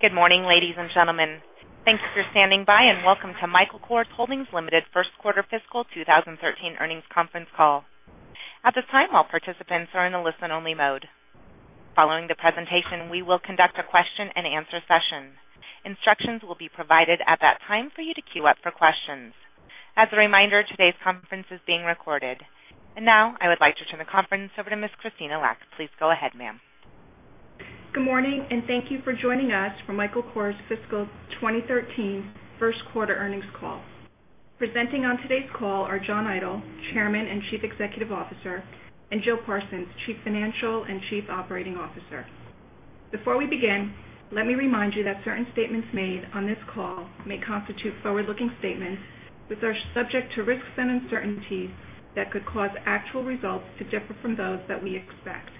Good morning, ladies and gentlemen. Thanks for standing by and welcome to Michael Kors Holdings Limited first quarter fiscal 2013 earnings conference call. At this time, all participants are in a listen-only mode. Following the presentation, we will conduct a question and answer session. Instructions will be provided at that time for you to queue up for questions. As a reminder, today's conference is being recorded. Now I would like to turn the conference over to Ms. Krystyna Lack. Please go ahead, ma'am. Good morning. Thank you for joining us for Michael Kors fiscal 2013 first quarter earnings call. Presenting on today's call are John Idol, Chairman and Chief Executive Officer, and Joe Parsons, Chief Financial and Chief Operating Officer. Before we begin, let me remind you that certain statements made on this call may constitute forward-looking statements, which are subject to risks and uncertainties that could cause actual results to differ from those that we expect.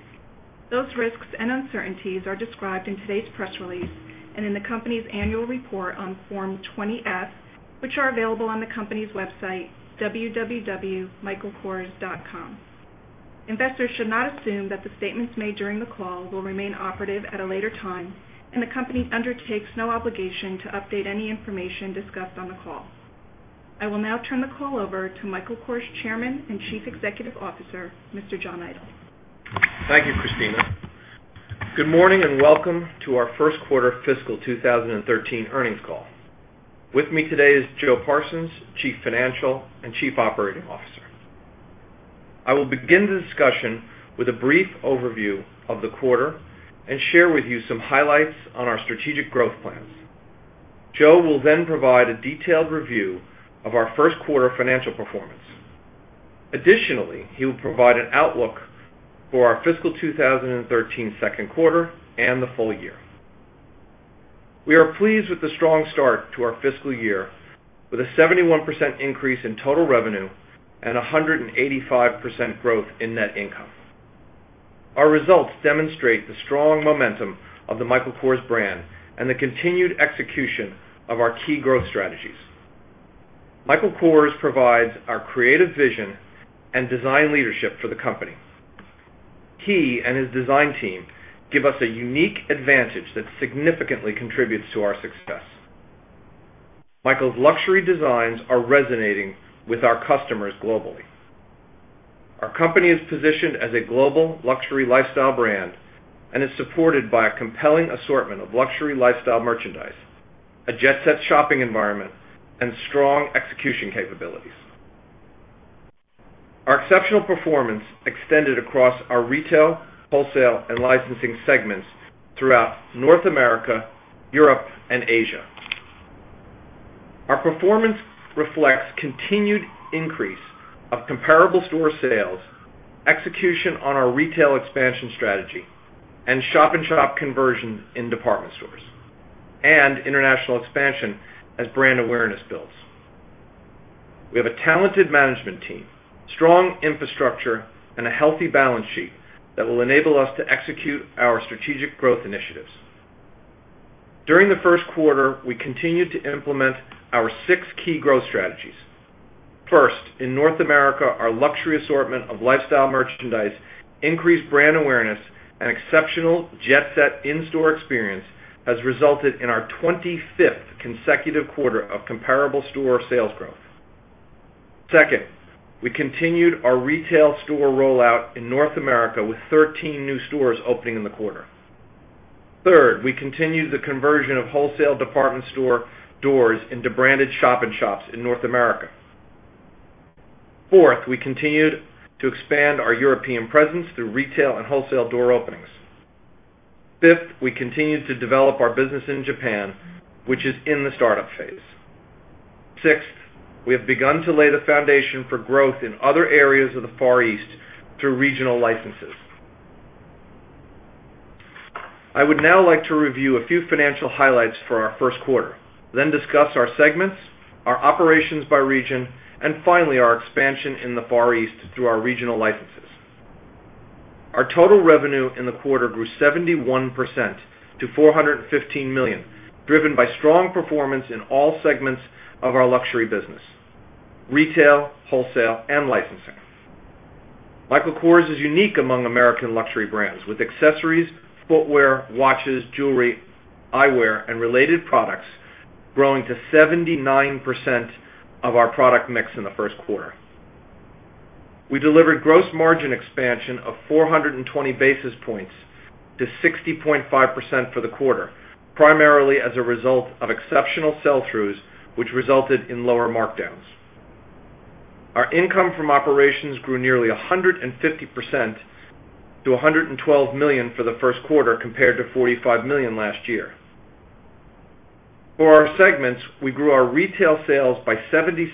Those risks and uncertainties are described in today's press release and in the company's annual report on Form 20-F, which are available on the company's website, www.michaelkors.com. Investors should not assume that the statements made during the call will remain operative at a later time, and the company undertakes no obligation to update any information discussed on the call. I will now turn the call over to Michael Kors Chairman and Chief Executive Officer, Mr. John Idol. Thank you, Krystyna. Good morning. Welcome to our first quarter fiscal 2013 earnings call. With me today is Joe Parsons, Chief Financial and Chief Operating Officer. I will begin the discussion with a brief overview of the quarter and share with you some highlights on our strategic growth plans. Joe will provide a detailed review of our first quarter financial performance. Additionally, he will provide an outlook for our fiscal 2013 second quarter and the full year. We are pleased with the strong start to our fiscal year, with a 71% increase in total revenue and 185% growth in net income. Our results demonstrate the strong momentum of the Michael Kors brand and the continued execution of our key growth strategies. Michael Kors provides our creative vision and design leadership for the company. He and his design team give us a unique advantage that significantly contributes to our success. Michael's luxury designs are resonating with our customers globally. Our company is positioned as a global luxury lifestyle brand and is supported by a compelling assortment of luxury lifestyle merchandise, a jet-set shopping environment, and strong execution capabilities. Our exceptional performance extended across our retail, wholesale, and licensing segments throughout North America, Europe, and Asia. Our performance reflects continued increase of comparable store sales, execution on our retail expansion strategy, shop-in-shop conversion in department stores, and international expansion as brand awareness builds. We have a talented management team, strong infrastructure, and a healthy balance sheet that will enable us to execute our strategic growth initiatives. During the first quarter, we continued to implement our six key growth strategies. First, in North America, our luxury assortment of lifestyle merchandise, increased brand awareness, and exceptional jet-set in-store experience has resulted in our 25th consecutive quarter of comparable store sales growth. Second, we continued our retail store rollout in North America with 13 new stores opening in the quarter. Third, we continued the conversion of wholesale department store doors into branded shop-in-shops in North America. Fourth, we continued to expand our European presence through retail and wholesale door openings. Fifth, we continued to develop our business in Japan, which is in the startup phase. Sixth, we have begun to lay the foundation for growth in other areas of the Far East through regional licenses. I would now like to review a few financial highlights for our first quarter, then discuss our segments, our operations by region, and finally, our expansion in the Far East through our regional licenses. Our total revenue in the quarter grew 71% to $415 million, driven by strong performance in all segments of our luxury business: retail, wholesale, and licensing. Michael Kors is unique among American luxury brands, with accessories, footwear, watches, jewelry, eyewear, and related products growing to 79% of our product mix in the first quarter. We delivered gross margin expansion of 420 basis points to 60.5% for the quarter, primarily as a result of exceptional sell-throughs, which resulted in lower markdowns. Our income from operations grew nearly 150% to $112 million for the first quarter, compared to $45 million last year. For our segments, we grew our retail sales by 76%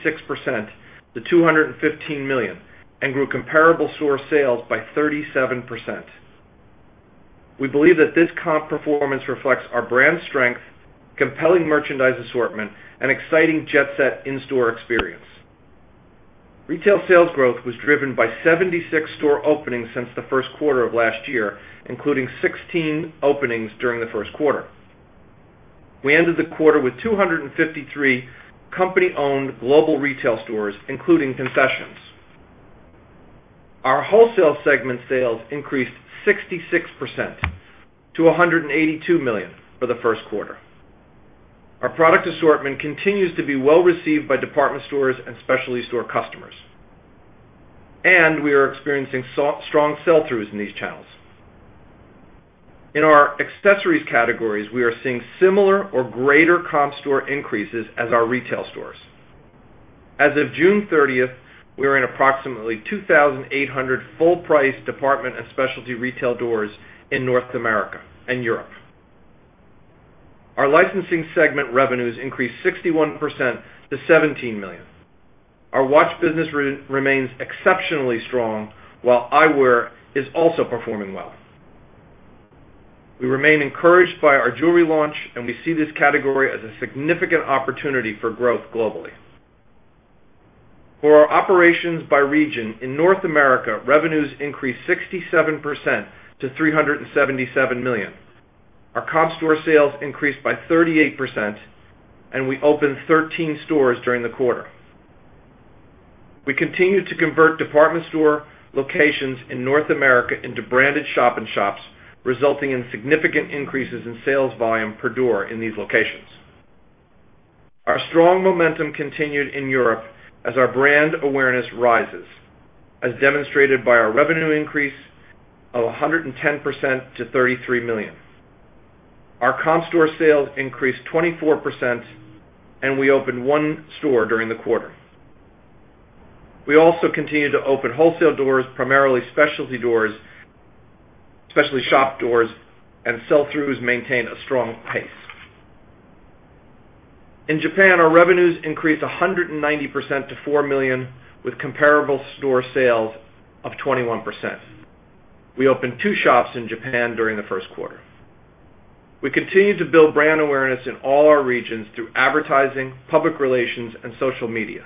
to $215 million and grew comparable store sales by 37%. We believe that this comp performance reflects our brand strength, compelling merchandise assortment, and exciting jet-set in-store experience. Retail sales growth was driven by 76 store openings since the first quarter of last year, including 16 openings during the first quarter. We ended the quarter with 253 company-owned global retail stores, including concessions. Our wholesale segment sales increased 66% to $182 million for the first quarter. Our product assortment continues to be well-received by department stores and specialty store customers, and we are experiencing strong sell-throughs in these channels. In our accessories categories, we are seeing similar or greater comp store increases as our retail stores. As of June 30th, we are in approximately 2,800 full-price department and specialty retail doors in North America and Europe. Our licensing segment revenues increased 61% to $17 million. Our watch business remains exceptionally strong, while eyewear is also performing well. We remain encouraged by our jewelry launch, and we see this category as a significant opportunity for growth globally. For our operations by region, in North America, revenues increased 67% to $377 million. Our comp store sales increased by 38%, and we opened 13 stores during the quarter. We continued to convert department store locations in North America into branded shop-in-shops, resulting in significant increases in sales volume per door in these locations. Our strong momentum continued in Europe as our brand awareness rises, as demonstrated by our revenue increase of 110% to $33 million. Our comp store sales increased 24%, and we opened one store during the quarter. We also continued to open wholesale doors, primarily specialty shop doors, and sell-throughs maintained a strong pace. In Japan, our revenues increased 190% to $4 million, with comparable store sales of 21%. We opened two shops in Japan during the first quarter. We continue to build brand awareness in all our regions through advertising, public relations, and social media.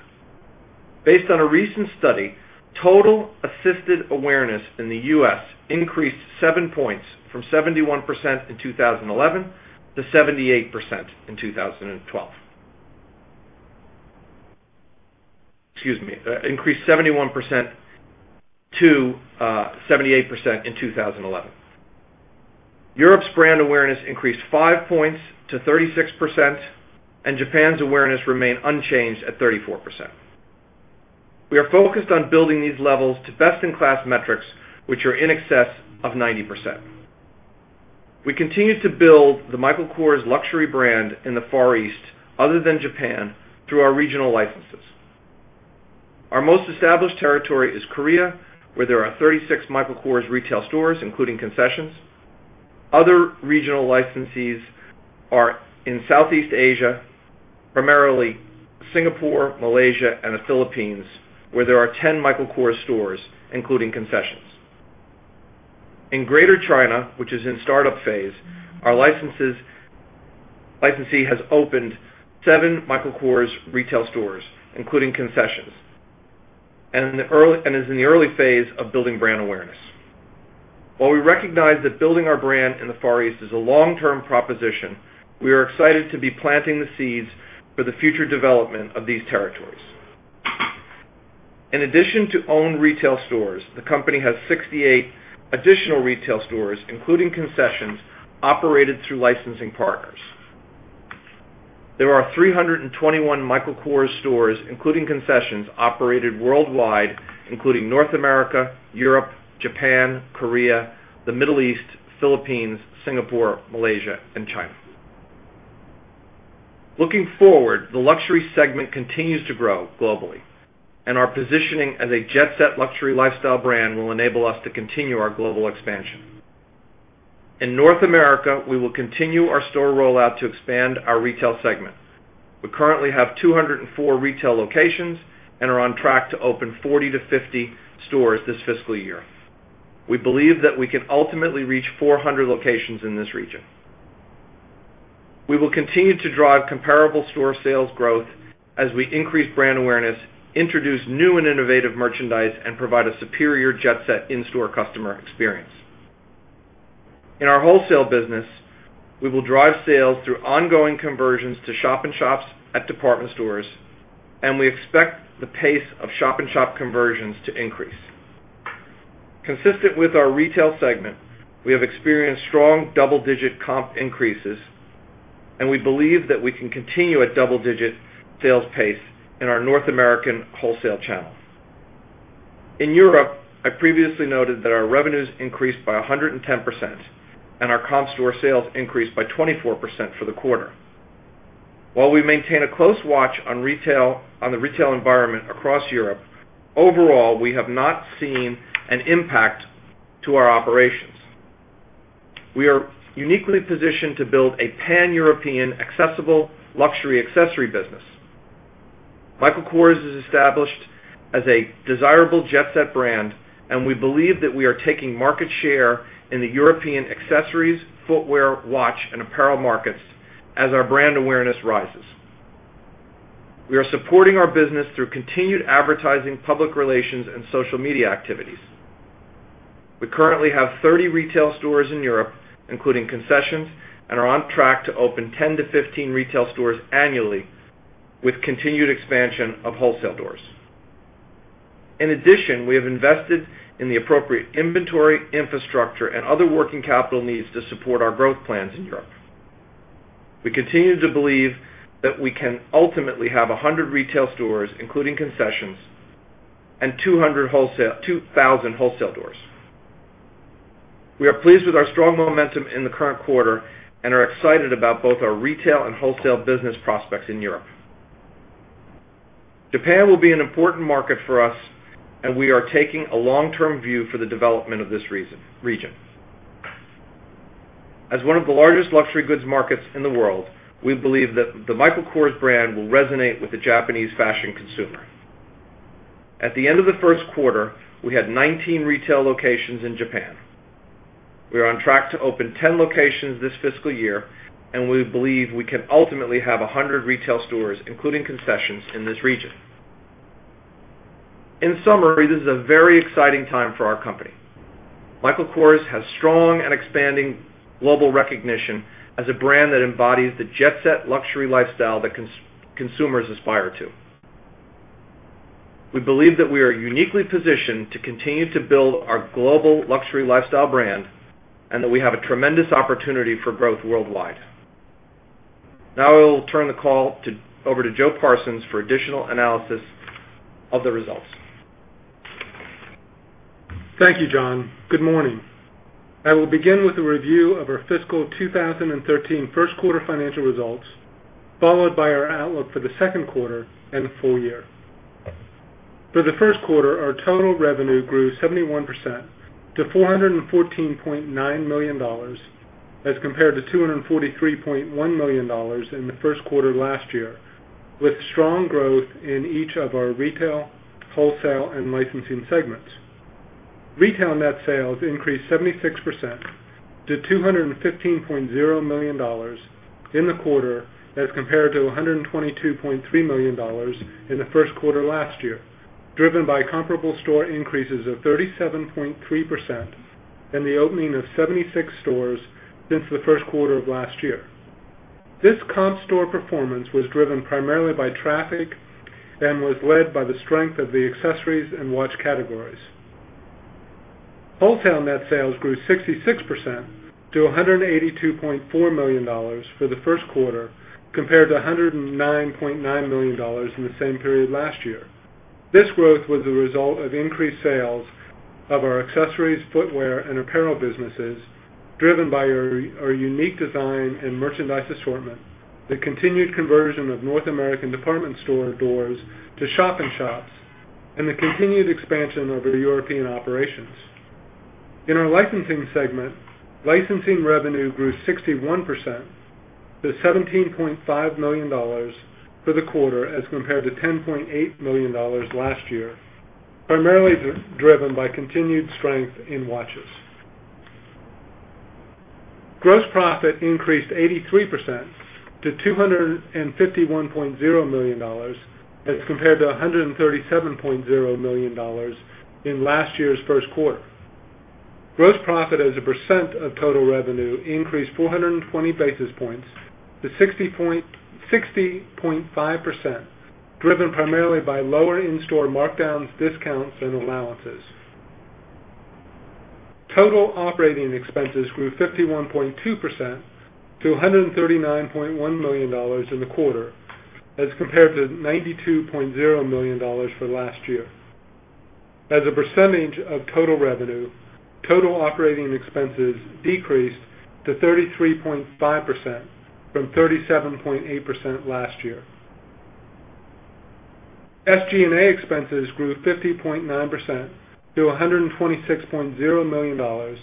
Based on a recent study, total assisted awareness in the U.S. increased seven points from 71% in 2011 to 78% in 2012. Excuse me, increased 71% to 78% in 2011. Europe's brand awareness increased five points to 36%, and Japan's awareness remained unchanged at 34%. We are focused on building these levels to best-in-class metrics, which are in excess of 90%. We continue to build the Michael Kors luxury brand in the Far East, other than Japan, through our regional licenses. Our most established territory is Korea, where there are 36 Michael Kors retail stores, including concessions. Other regional licensees are in Southeast Asia, primarily Singapore, Malaysia, and the Philippines, where there are 10 Michael Kors stores, including concessions. In Greater China, which is in startup phase, our licensee has opened seven Michael Kors retail stores, including concessions, and is in the early phase of building brand awareness. While we recognize that building our brand in the Far East is a long-term proposition, we are excited to be planting the seeds for the future development of these territories. In addition to owned retail stores, the company has 68 additional retail stores, including concessions, operated through licensing partners. There are 321 Michael Kors stores, including concessions, operated worldwide, including North America, Europe, Japan, Korea, the Middle East, Philippines, Singapore, Malaysia, and China. Looking forward, the luxury segment continues to grow globally, and our positioning as a jet-set luxury lifestyle brand will enable us to continue our global expansion. In North America, we will continue our store rollout to expand our retail segment. We currently have 204 retail locations and are on track to open 40 to 50 stores this fiscal year. We believe that we can ultimately reach 400 locations in this region. We will continue to drive comparable store sales growth as we increase brand awareness, introduce new and innovative merchandise, and provide a superior jet-set in-store customer experience. In our wholesale business, we will drive sales through ongoing conversions to shop-in-shops at department stores, and we expect the pace of shop-in-shop conversions to increase. Consistent with our retail segment, we have experienced strong double-digit comp increases, and we believe that we can continue a double-digit sales pace in our North American wholesale channel. In Europe, I previously noted that our revenues increased by 110% and our comp store sales increased by 24% for the quarter. While we maintain a close watch on the retail environment across Europe, overall, we have not seen an impact to our operations. We are uniquely positioned to build a pan-European accessible luxury accessory business. Michael Kors is established as a desirable jet set brand, we believe that we are taking market share in the European accessories, footwear, watch, and apparel markets as our brand awareness rises. We are supporting our business through continued advertising, public relations, and social media activities. We currently have 30 retail stores in Europe, including concessions, and are on track to open 10-15 retail stores annually with continued expansion of wholesale doors. In addition, we have invested in the appropriate inventory, infrastructure, and other working capital needs to support our growth plans in Europe. We continue to believe that we can ultimately have 100 retail stores, including concessions, and 2,000 wholesale doors. We are pleased with our strong momentum in the current quarter and are excited about both our retail and wholesale business prospects in Europe. Japan will be an important market for us, we are taking a long-term view for the development of this region. As one of the largest luxury goods markets in the world, we believe that the Michael Kors brand will resonate with the Japanese fashion consumer. At the end of the first quarter, we had 19 retail locations in Japan. We are on track to open 10 locations this fiscal year, we believe we can ultimately have 100 retail stores, including concessions, in this region. In summary, this is a very exciting time for our company. Michael Kors has strong and expanding global recognition as a brand that embodies the jet-set luxury lifestyle that consumers aspire to. We believe that we are uniquely positioned to continue to build our global luxury lifestyle brand, that we have a tremendous opportunity for growth worldwide. Now I will turn the call over to Joe Parsons for additional analysis of the results. Thank you, John. Good morning. I will begin with a review of our fiscal 2013 first quarter financial results, followed by our outlook for the second quarter and full year. For the first quarter, our total revenue grew 71% to $414.9 million, as compared to $243.1 million in the first quarter last year, with strong growth in each of our retail, wholesale, and licensing segments. Retail net sales increased 76% to $215.0 million in the quarter as compared to $122.3 million in the first quarter last year, driven by comparable store increases of 37.3% and the opening of 76 stores since the first quarter of last year. This comp store performance was driven primarily by traffic and was led by the strength of the accessories and watch categories. Wholesale net sales grew 66% to $182.4 million for the first quarter, compared to $109.9 million in the same period last year. This growth was a result of increased sales of our accessories, footwear, and apparel businesses, driven by our unique design and merchandise assortment, the continued conversion of North American department store doors to shop-in-shops, and the continued expansion of our European operations. In our licensing segment, licensing revenue grew 61% to $17.5 million for the quarter as compared to $10.8 million last year, primarily driven by continued strength in watches. Gross profit increased 83% to $251.0 million as compared to $137.0 million in last year's first quarter. Gross profit as a % of total revenue increased 420 basis points to 60.5%, driven primarily by lower in-store markdowns, discounts, and allowances. Total operating expenses grew 51.2% to $139.1 million in the quarter as compared to $92.0 million for last year. As a % of total revenue, total operating expenses decreased to 33.5% from 37.8% last year. SG&A expenses grew 50.9% to $126.0 million,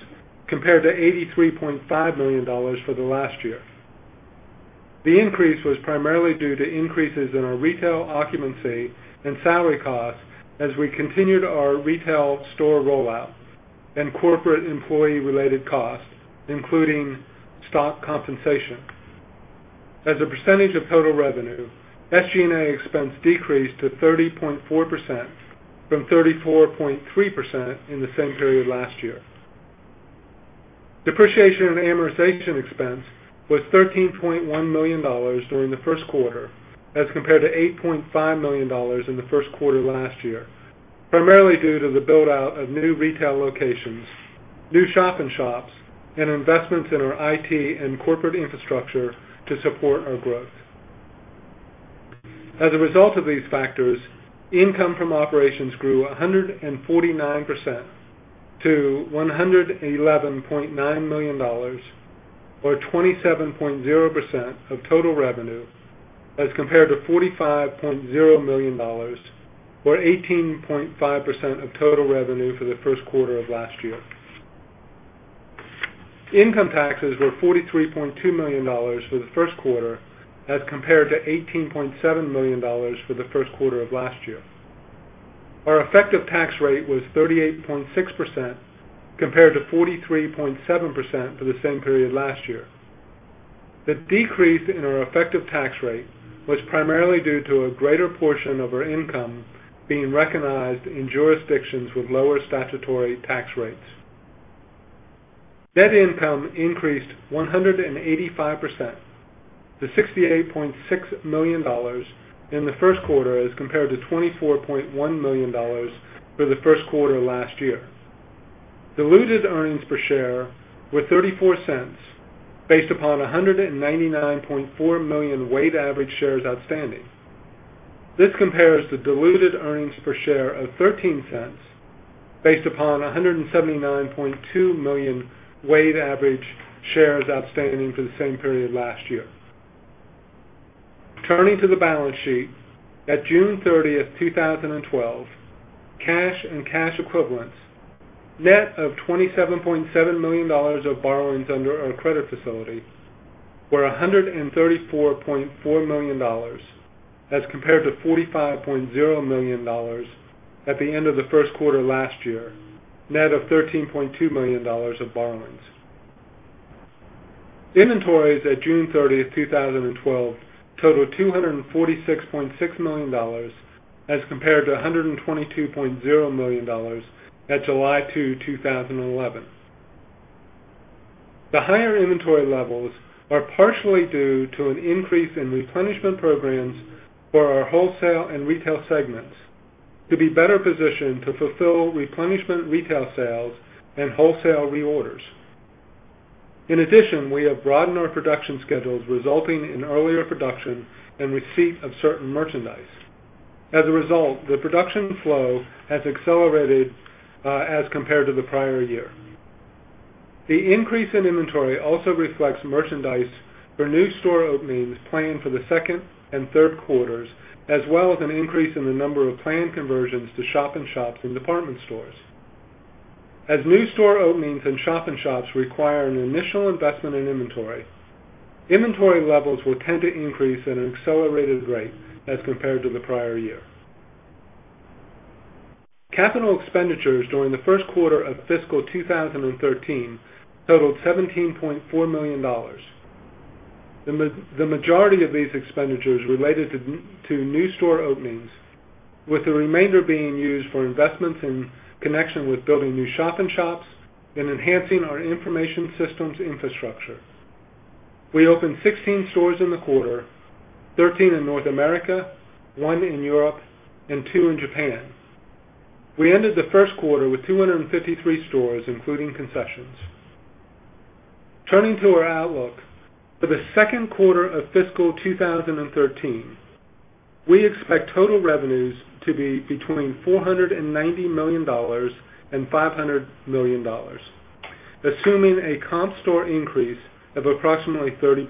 compared to $83.5 million for the last year. The increase was primarily due to increases in our retail occupancy and salary costs as we continued our retail store rollout and corporate employee related costs, including stock compensation. As a % of total revenue, SG&A expense decreased to 30.4% from 34.3% in the same period last year. Depreciation and amortization expense was $13.1 million during the first quarter as compared to $8.5 million in the first quarter last year, primarily due to the build-out of new retail locations, new shop-in-shops, and investments in our IT and corporate infrastructure to support our growth. As a result of these factors, income from operations grew 149% to $111.9 million, or 27.0% of total revenue as compared to $45.0 million or 18.5% of total revenue for the first quarter of last year. Income taxes were $43.2 million for the first quarter as compared to $18.7 million for the first quarter of last year. Our effective tax rate was 38.6% compared to 43.7% for the same period last year. The decrease in our effective tax rate was primarily due to a greater portion of our income being recognized in jurisdictions with lower statutory tax rates. Net income increased 185% to $68.6 million in the first quarter as compared to $24.1 million for the first quarter last year. Diluted earnings per share were $0.34, based upon 199.4 million weighted average shares outstanding. This compares to diluted earnings per share of $0.13 based upon 179.2 million weighted average shares outstanding for the same period last year. Turning to the balance sheet, at June 30th, 2012, cash and cash equivalents, net of $27.7 million of borrowings under our credit facility, were $134.4 million as compared to $45.0 million at the end of the first quarter last year, net of $13.2 million of borrowings. Inventories at June 30th, 2012 totaled $246.6 million as compared to $122.0 million at July 2, 2011. The higher inventory levels are partially due to an increase in replenishment programs for our wholesale and retail segments to be better positioned to fulfill replenishment retail sales and wholesale reorders. In addition, we have broadened our production schedules, resulting in earlier production and receipt of certain merchandise. As a result, the production flow has accelerated as compared to the prior year. The increase in inventory also reflects merchandise for new store openings planned for the second and third quarters, as well as an increase in the number of planned conversions to shop-in-shops in department stores. As new store openings and shop-in-shops require an initial investment in inventory levels will tend to increase at an accelerated rate as compared to the prior year. Capital expenditures during the first quarter of fiscal 2013 totaled $17.4 million. The majority of these expenditures related to new store openings, with the remainder being used for investments in connection with building new shop-in-shops and enhancing our information systems infrastructure. We opened 16 stores in the quarter, 13 in North America, one in Europe, and two in Japan. We ended the first quarter with 253 stores, including concessions. Turning to our outlook, for the second quarter of fiscal 2013, we expect total revenues to be between $490 million and $500 million, assuming a comp store increase of approximately 30%.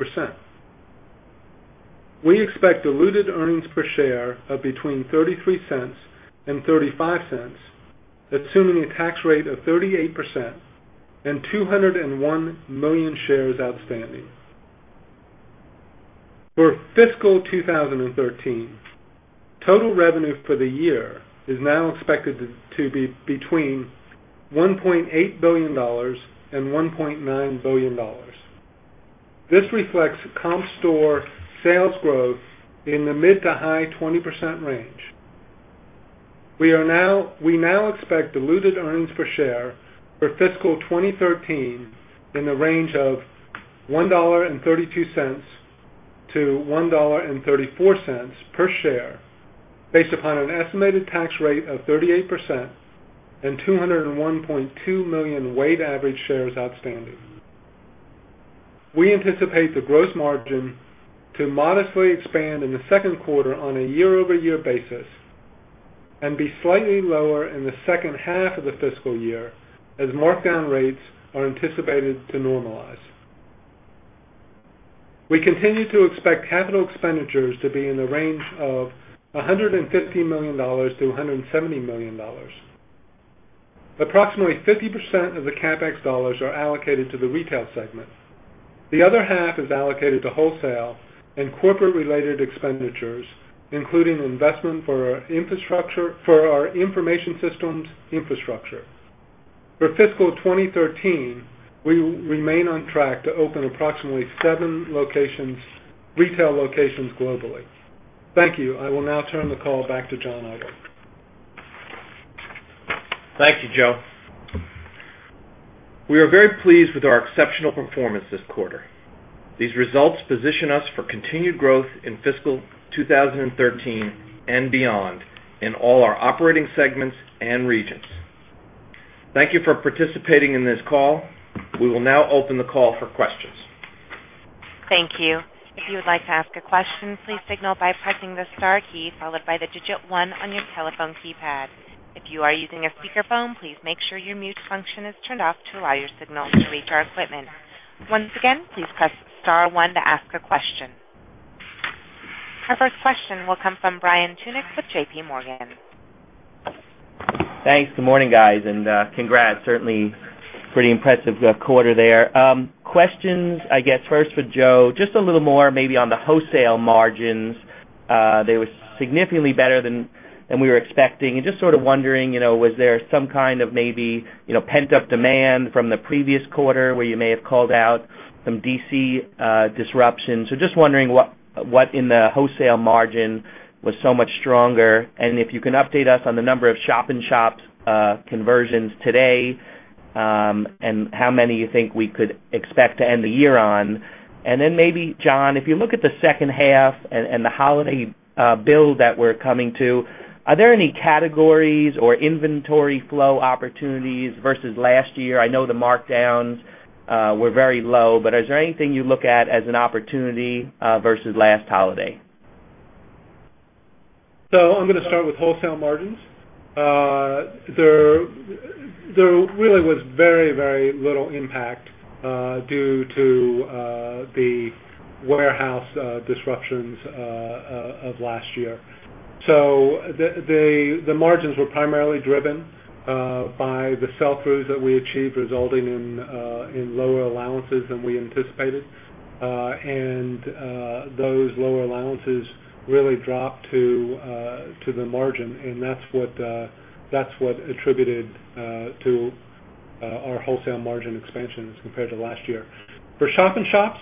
We expect diluted earnings per share of between $0.33 and $0.35, assuming a tax rate of 38% and 201 million shares outstanding. For fiscal 2013, total revenue for the year is now expected to be between $1.8 billion and $1.9 billion. This reflects comp store sales growth in the mid to high 20% range. We now expect diluted earnings per share for fiscal 2013 in the range of $1.32 to $1.34 per share, based upon an estimated tax rate of 38% and 201.2 million weighted average shares outstanding. We anticipate the gross margin to modestly expand in the second quarter on a year-over-year basis and be slightly lower in the second half of the fiscal year, as markdown rates are anticipated to normalize. We continue to expect capital expenditures to be in the range of $150 million to $170 million. Approximately 50% of the CapEx dollars are allocated to the retail segment. The other half is allocated to wholesale and corporate related expenditures, including investment for our information systems infrastructure. For fiscal 2013, we remain on track to open approximately 70 retail locations globally. Thank you. I will now turn the call back to John Idol. Thank you, Joe. We are very pleased with our exceptional performance this quarter. These results position us for continued growth in fiscal 2013 and beyond in all our operating segments and regions. Thank you for participating in this call. We will now open the call for questions. Thank you. If you would like to ask a question, please signal by pressing the star key followed by the digit 1 on your telephone keypad. If you are using a speakerphone, please make sure your mute function is turned off to allow your signal to reach our equipment. Once again, please press star 1 to ask a question. Our first question will come from Brian Tunick with J.P. Morgan. Thanks. Good morning, guys, and congrats. Certainly pretty impressive quarter there. Questions, I guess first for Joe, just a little more maybe on the wholesale margins. They were significantly better than we were expecting. Just sort of wondering, was there some kind of maybe pent-up demand from the previous quarter where you may have called out some DC disruptions? Just wondering what in the wholesale margin was so much stronger, and if you can update us on the number of shop-in-shops conversions today, and how many you think we could expect to end the year on. Maybe, John, if you look at the second half and the holiday build that we're coming to, are there any categories or inventory flow opportunities versus last year? I know the markdowns were very low, is there anything you look at as an opportunity versus last holiday? I'm going to start with wholesale margins. There really was very little impact due to the warehouse disruptions of last year. The margins were primarily driven by the sell-throughs that we achieved, resulting in lower allowances than we anticipated. Those lower allowances really dropped to the margin, and that's what attributed to our wholesale margin expansion as compared to last year. For shop-in-shops,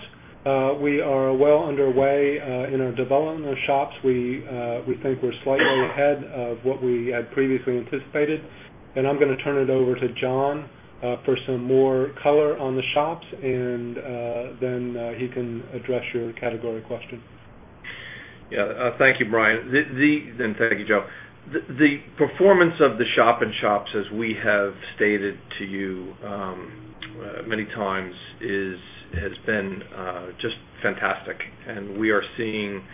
we are well underway in our development of shops. We think we're slightly ahead of what we had previously anticipated. I'm going to turn it over to John for some more color on the shops, then he can address your category question. Yeah. Thank you, Brian, and thank you, Joe. The performance of the shop-in-shops, as we have stated to you many times, has been just fantastic. We are seeing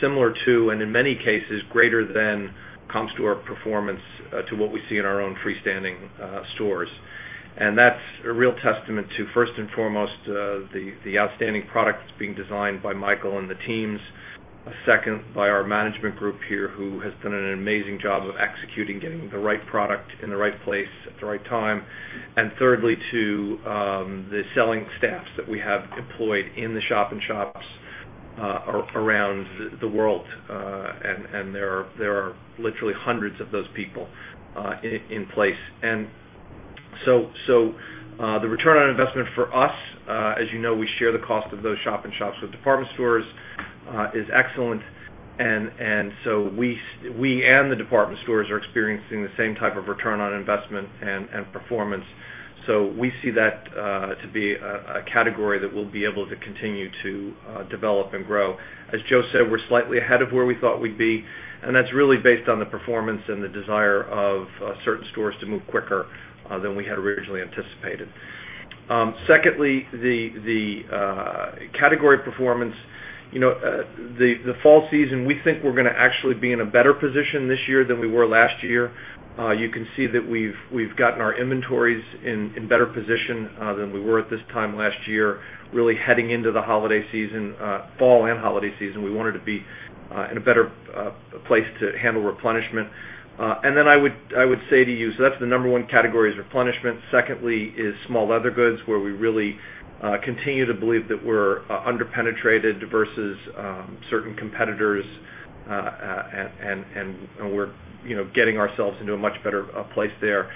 similar to, and in many cases, greater than comp store performance to what we see in our own freestanding stores. That's a real testament to, first and foremost, the outstanding products being designed by Michael and the teams. Second, by our management group here, who has done an amazing job of executing, getting the right product in the right place at the right time. Thirdly, to the selling staffs that we have employed in the shop-in-shops around the world, and there are literally hundreds of those people in place. The return on investment for us, as you know, we share the cost of those shop-in-shops with department stores, is excellent. We and the department stores are experiencing the same type of return on investment and performance. We see that to be a category that we'll be able to continue to develop and grow. As Joe said, we're slightly ahead of where we thought we'd be, and that's really based on the performance and the desire of certain stores to move quicker than we had originally anticipated. Secondly, the category performance. The fall season, we think we're going to actually be in a better position this year than we were last year. You can see that we've gotten our inventories in better position than we were at this time last year. Really heading into the holiday season, fall and holiday season, we wanted to be in a better place to handle replenishment. Then I would say to you, that's the number 1 category is replenishment. Secondly is small leather goods, where we really continue to believe that we're under-penetrated versus certain competitors, and we're getting ourselves into a much better place there.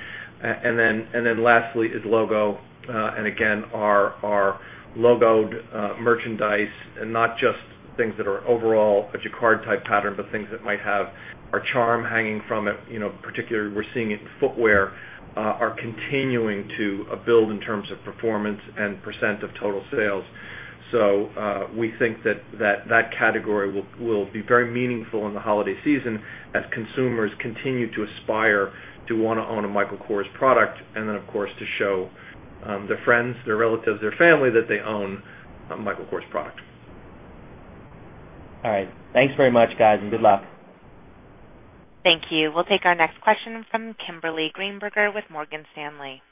Lastly is logo. Again, our logoed merchandise, not just things that are overall a jacquard type pattern, but things that might have our charm hanging from it, particularly we're seeing it in footwear, are continuing to build in terms of performance and % of total sales. We think that that category will be very meaningful in the holiday season as consumers continue to aspire to want to own a Michael Kors product, then, of course, to show their friends, their relatives, their family that they own a Michael Kors product. All right. Thanks very much, guys, and good luck. Thank you. We'll take our next question from Kimberly Greenberger with Morgan Stanley.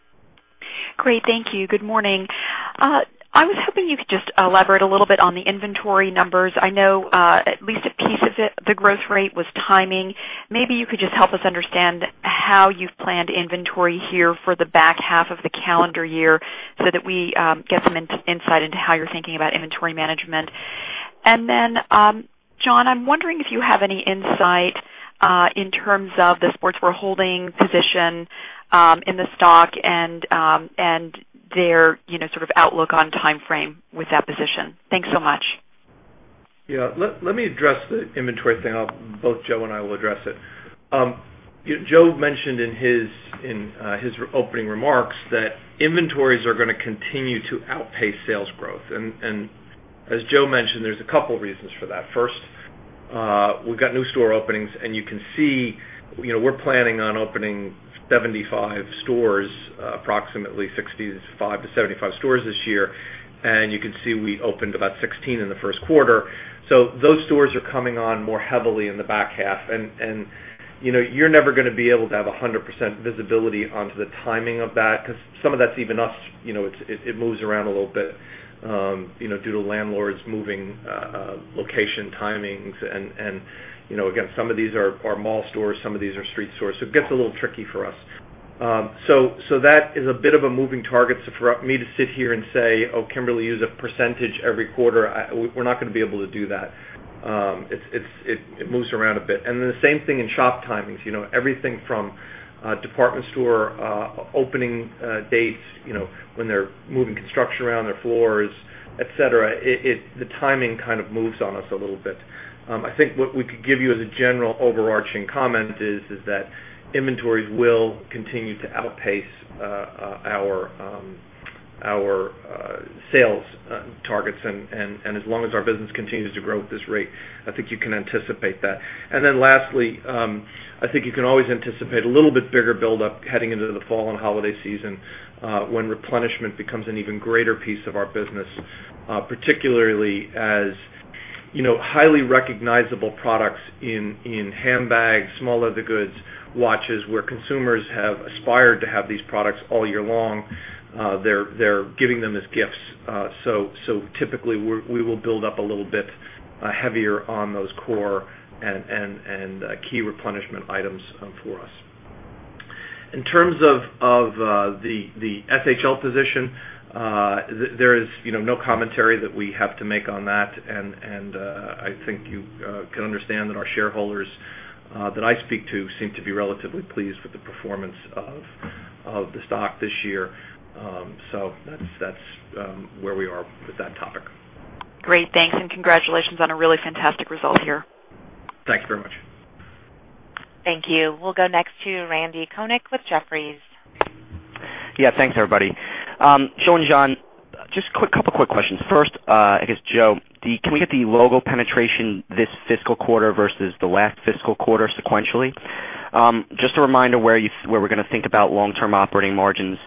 Great. Thank you. Good morning. I was hoping you could just elaborate a little bit on the inventory numbers. I know at least a piece of it, the growth rate was timing. Maybe you could just help us understand how you've planned inventory here for the back half of the calendar year so that we get some insight into how you're thinking about inventory management. John, I'm wondering if you have any insight in terms of the Sportswear Holdings position in the stock and their sort of outlook on timeframe with that position. Thanks so much. Yeah. Let me address the inventory thing. Both Joe and I will address it. Joe mentioned in his opening remarks that inventories are going to continue to outpace sales growth. As Joe mentioned, there's a couple reasons for that. First, we've got new store openings, and you can see we're planning on opening 75 stores, approximately 65-75 stores this year. You can see we opened about 16 in the first quarter. Those stores are coming on more heavily in the back half. You're never going to be able to have 100% visibility onto the timing of that because some of that's even us. It moves around a little bit due to landlords moving location timings. Some of these are mall stores, some of these are street stores, so it gets a little tricky for us. That is a bit of a moving target. For me to sit here and say, "Oh, Kimberly, use a percentage every quarter," we're not going to be able to do that. It moves around a bit. The same thing in shop timings. Everything from department store opening dates, when they're moving construction around their floors, et cetera. The timing kind of moves on us a little bit. I think what we could give you as a general overarching comment is that inventories will continue to outpace our sales targets, and as long as our business continues to grow at this rate, I think you can anticipate that. Lastly, I think you can always anticipate a little bit bigger buildup heading into the fall and holiday season, when replenishment becomes an even greater piece of our business, particularly as highly recognizable products in handbags, small leather goods, watches, where consumers have aspired to have these products all year long. They're giving them as gifts. Typically, we will build up a little bit heavier on those core and key replenishment items for us. In terms of the SHL position, there is no commentary that we have to make on that, and I think you can understand that our shareholders that I speak to seem to be relatively pleased with the performance of the stock this year. That's where we are with that topic. Great. Thanks, and congratulations on a really fantastic result here. Thanks very much. Thank you. We'll go next to Randal Konik with Jefferies. Yeah. Thanks, everybody. Joe and John, just a couple quick questions. First, I guess, Joe, can we get the logo penetration this fiscal quarter versus the last fiscal quarter sequentially? Just a reminder where we're going to think about long-term operating margins.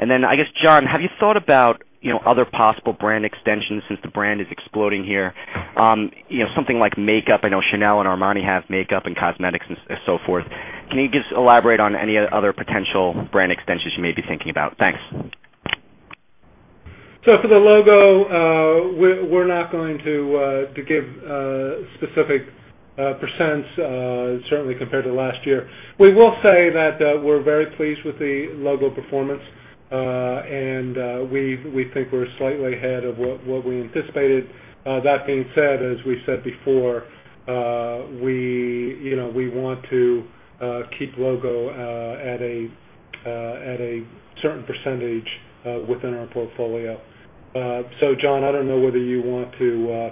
I guess, John, have you thought about other possible brand extensions since the brand is exploding here? Something like makeup. I know Chanel and Armani have makeup and cosmetics and so forth. Can you just elaborate on any other potential brand extensions you may be thinking about? Thanks. For the logo, we're not going to give specific percents, certainly compared to last year. We will say that we're very pleased with the logo performance, and we think we're slightly ahead of what we anticipated. That being said, as we said before, we want to keep logo at a certain percentage within our portfolio. John, I don't know whether you want to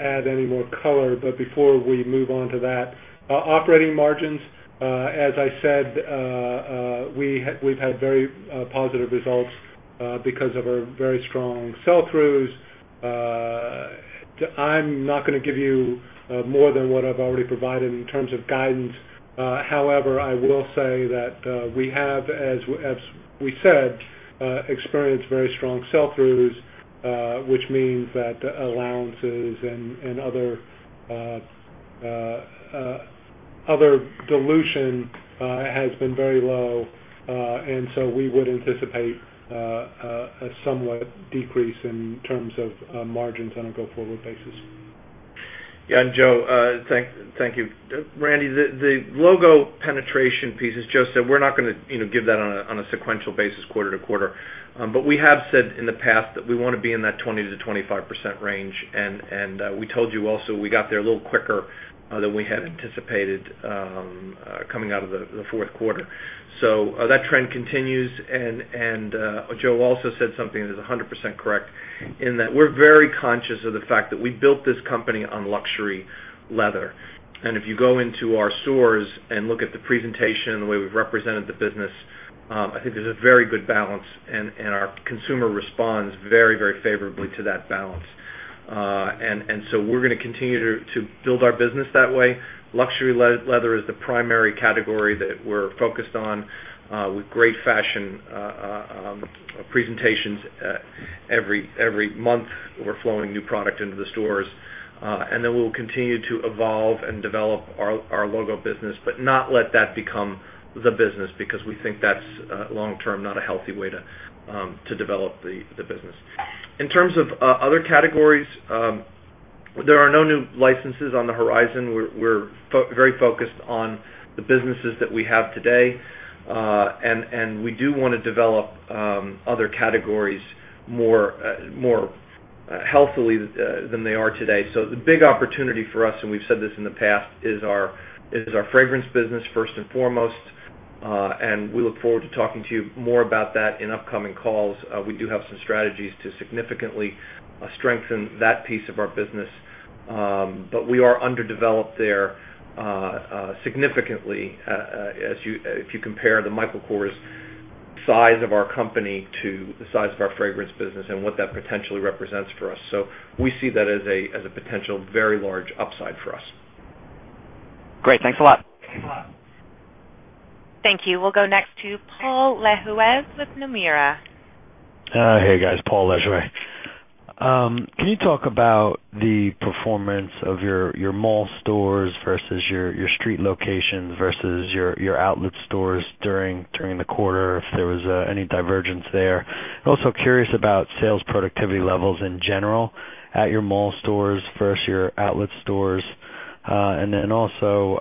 add any more color, but before we move on to that. Operating margins, as I said, we've had very positive results because of our very strong sell-throughs. I'm not going to give you more than what I've already provided in terms of guidance. However, I will say that we have, as we said, experienced very strong sell-throughs, which means that allowances and other dilution has been very low, and so we would anticipate a somewhat decrease in terms of margins on a go-forward basis. Yeah. Joe, thank you. Randy, the logo penetration piece, as Joe said, we're not going to give that on a sequential basis quarter-to-quarter. We have said in the past that we want to be in that 20%-25% range, and we told you also we got there a little quicker than we had anticipated coming out of the fourth quarter. That trend continues, and Joe also said something that is 100% correct, in that we're very conscious of the fact that we built this company on luxury leather. If you go into our stores and look at the presentation and the way we've represented the business, I think there's a very good balance, and our consumer responds very favorably to that balance. We're going to continue to build our business that way. Luxury leather is the primary category that we're focused on with great fashion presentations. Every month, we're flowing new product into the stores. We'll continue to evolve and develop our logo business but not let that become the business because we think that's, long term, not a healthy way to develop the business. In terms of other categories, there are no new licenses on the horizon. We're very focused on the businesses that we have today. We do want to develop other categories more healthily than they are today. The big opportunity for us, and we've said this in the past, is our fragrance business, first and foremost. We look forward to talking to you more about that in upcoming calls. We do have some strategies to significantly strengthen that piece of our business. We are underdeveloped there significantly, if you compare the Michael Kors size of our company to the size of our fragrance business and what that potentially represents for us. We see that as a potential very large upside for us. Great. Thanks a lot. Thank you. We'll go next to Paul Lejuez with Nomura. Hey, guys. Paul Lejuez. Can you talk about the performance of your mall stores versus your street locations versus your outlet stores during the quarter, if there was any divergence there? I'm also curious about sales productivity levels in general at your mall stores versus your outlet stores. Then also,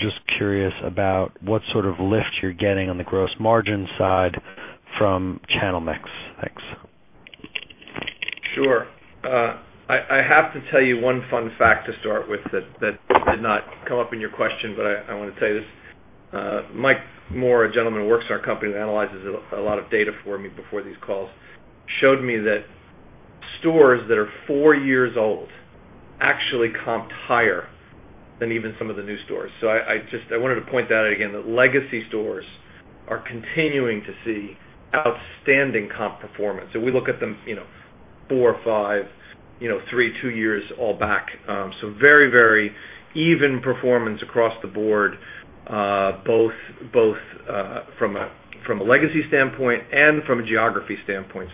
just curious about what sort of lift you're getting on the gross margin side from channel mix. Thanks. Sure. I have to tell you one fun fact to start with that did not come up in your question, I want to tell you this. Mike Moore, a gentleman who works in our company that analyzes a lot of data for me before these calls, showed me that stores that are four years old actually comped higher than even some of the new stores. I wanted to point that out again, that legacy stores are continuing to see outstanding comp performance. We look at them four, five, three, two years all back. Very even performance across the board, both from a legacy standpoint and from a geography standpoint.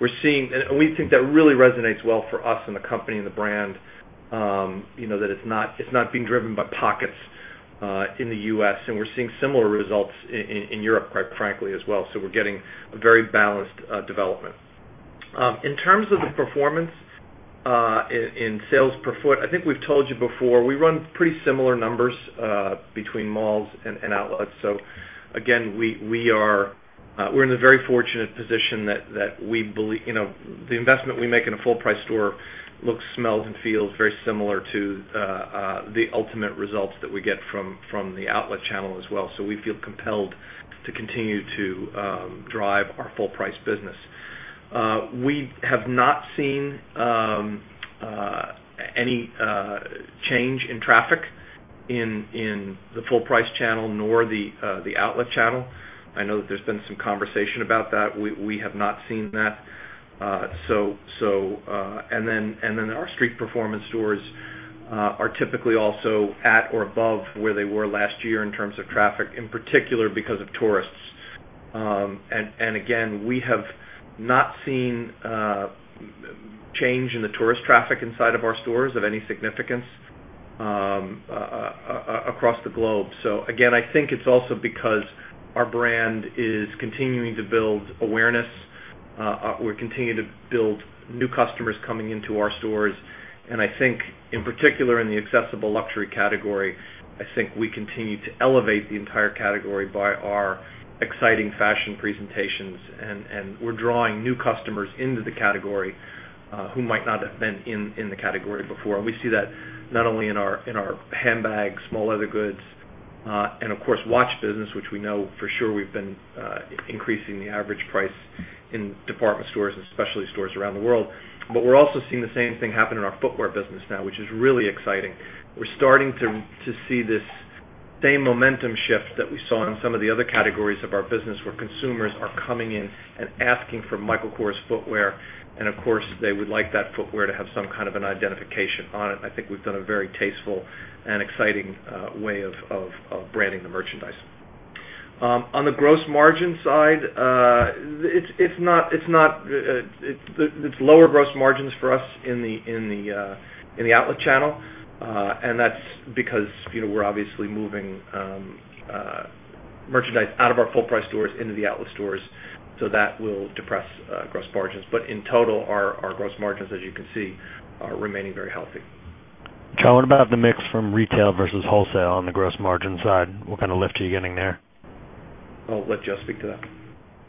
We think that really resonates well for us and the company and the brand, that it's not being driven by pockets in the U.S., and we're seeing similar results in Europe, quite frankly, as well. We're getting a very balanced development. In terms of the performance in sales per foot, I think we've told you before, we run pretty similar numbers between malls and outlets. We're in the very fortunate position that the investment we make in a full price store looks, smells, and feels very similar to the ultimate results that we get from the outlet channel as well. We feel compelled to continue to drive our full price business. We have not seen any change in traffic in the full price channel nor the outlet channel. I know that there's been some conversation about that. We have not seen that. Our street performance stores are typically also at or above where they were last year in terms of traffic, in particular because of tourists. We have not seen a change in the tourist traffic inside of our stores of any significance across the globe. I think it's also because our brand is continuing to build awareness. We're continuing to build new customers coming into our stores, and I think in particular in the accessible luxury category, I think we continue to elevate the entire category by our exciting fashion presentations. We're drawing new customers into the category who might not have been in the category before. We see that not only in our handbag, small leather goods, and of course, watch business, which we know for sure we've been increasing the average price in department stores and specialty stores around the world. We're also seeing the same thing happen in our footwear business now, which is really exciting. We're starting to see this same momentum shift that we saw in some of the other categories of our business, where consumers are coming in and asking for Michael Kors footwear, and of course, they would like that footwear to have some kind of an identification on it. I think we've done a very tasteful and exciting way of branding the merchandise. On the gross margin side, it's lower gross margins for us in the outlet channel. That's because we're obviously moving merchandise out of our full price stores into the outlet stores, so that will depress gross margins. In total, our gross margins, as you can see, are remaining very healthy. John, what about the mix from retail versus wholesale on the gross margin side? What kind of lift are you getting there? I'll let Joe speak to that.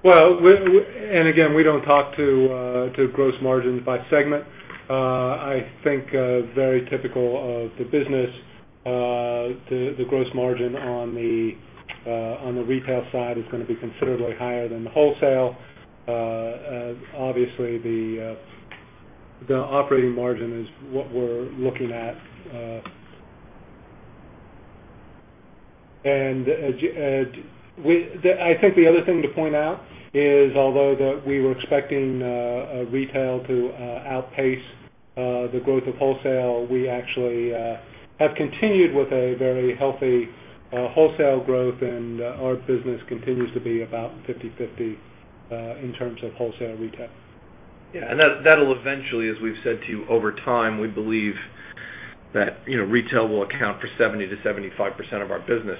Well, again, we don't talk to gross margins by segment. I think very typical of the business, the gross margin on the retail side is going to be considerably higher than the wholesale. Obviously, the operating margin is what we're looking at. I think the other thing to point out is, although that we were expecting retail to outpace the growth of wholesale, we actually have continued with a very healthy wholesale growth, and our business continues to be about 50/50 in terms of wholesale retail. Yeah. That'll eventually, as we've said to you, over time, we believe that retail will account for 70%-75% of our business.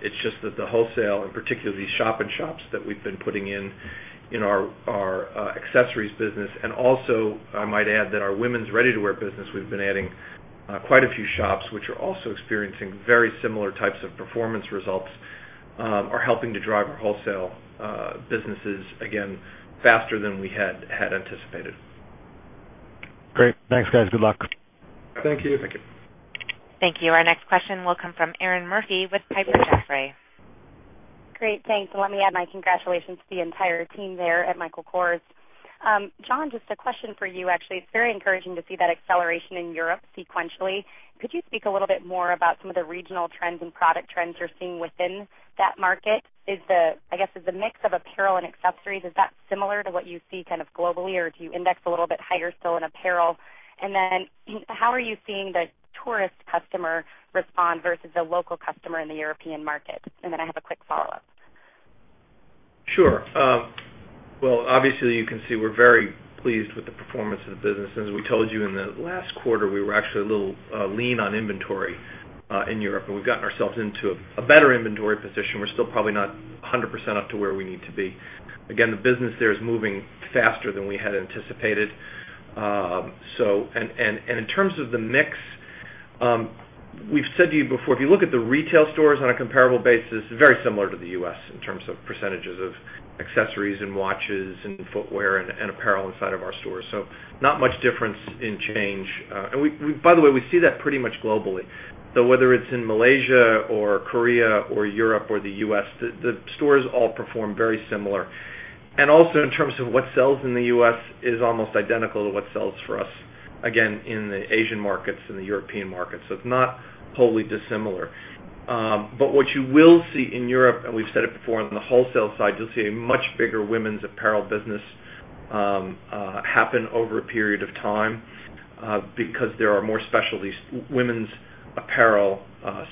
It's just that the wholesale, and particularly these shop in shops that we've been putting in our accessories business, and also I might add that our women's ready-to-wear business, we've been adding quite a few shops, which are also experiencing very similar types of performance results, are helping to drive our wholesale businesses, again, faster than we had anticipated. Great. Thanks, guys. Good luck. Thank you. Thank you. Thank you. Our next question will come from Erinn Murphy with Piper Jaffray. Great. Thanks. Let me add my congratulations to the entire team there at Michael Kors. John, just a question for you, actually. It is very encouraging to see that acceleration in Europe sequentially. Could you speak a little bit more about some of the regional trends and product trends you are seeing within that market? I guess the mix of apparel and accessories, is that similar to what you see kind of globally, or do you index a little bit higher still in apparel? And then how are you seeing the tourist customer respond versus the local customer in the European market? And then I have a quick follow-up. Sure. Well, obviously you can see we're very pleased with the performance of the business. As we told you in the last quarter, we were actually a little lean on inventory in Europe, and we've gotten ourselves into a better inventory position. We're still probably not 100% up to where we need to be. The business there is moving faster than we had anticipated. In terms of the mix, we've said to you before, if you look at the retail stores on a comparable basis, very similar to the U.S. in terms of percentages of accessories and watches and footwear and apparel inside of our stores. Not much difference in change. By the way, we see that pretty much globally. Whether it's in Malaysia or Korea or Europe or the U.S., the stores all perform very similar. Also in terms of what sells in the U.S. is almost identical to what sells for us, again, in the Asian markets and the European markets. It's not wholly dissimilar. What you will see in Europe, and we've said it before on the wholesale side, you'll see a much bigger women's apparel business happen over a period of time because there are more women's apparel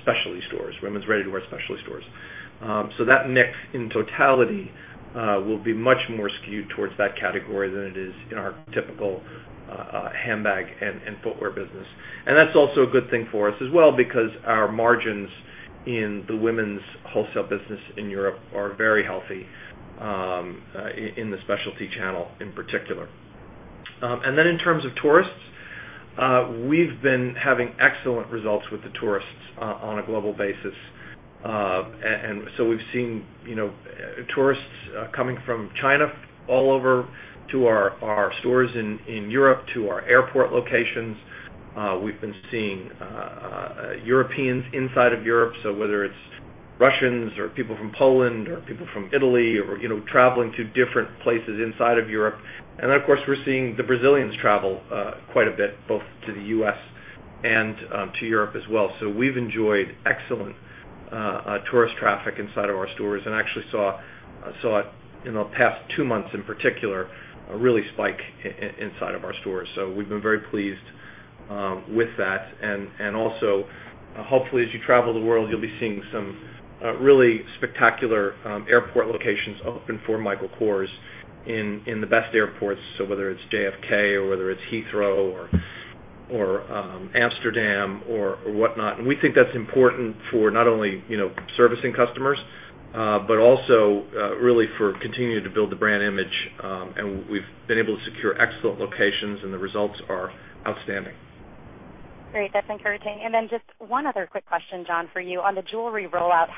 specialty stores, women's ready-to-wear specialty stores. That mix in totality will be much more skewed towards that category than it is in our typical handbag and footwear business. That's also a good thing for us as well because our margins in the women's wholesale business in Europe are very healthy in the specialty channel in particular. In terms of tourists, we've been having excellent results with the tourists on a global basis. We've seen tourists coming from China all over to our stores in Europe to our airport locations. We've been seeing Europeans inside of Europe, so whether it's Russians or people from Poland or people from Italy, traveling to different places inside of Europe. Of course, we're seeing the Brazilians travel quite a bit, both to the U.S. and to Europe as well. We've enjoyed excellent tourist traffic inside of our stores and actually saw in the past two months in particular, a really spike inside of our stores. We've been very pleased with that. Also, hopefully as you travel the world, you'll be seeing some really spectacular airport locations open for Michael Kors in the best airports. Whether it's JFK or whether it's Heathrow or Amsterdam or whatnot. We think that's important for not only servicing customers, but also really for continuing to build the brand image. We've been able to secure excellent locations and the results are outstanding. Great. That's encouraging. Just one other quick question, John, for you. On the jewelry rollout,